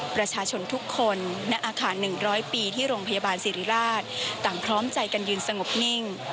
ประชาชนทุกคนณอาคาร๑๐๐ปีที่โรงพยาบาลสิริราชต่างพร้อมใจกันยืนสงบนิ่ง